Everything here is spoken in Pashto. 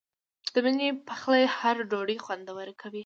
د مینې پخلی هره ډوډۍ خوندوره کوي.